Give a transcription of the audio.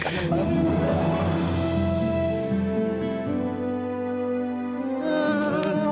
aku juga kangen